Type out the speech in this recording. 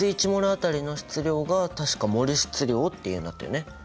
１ｍｏｌあたりの質量が確かモル質量っていうんだったよね。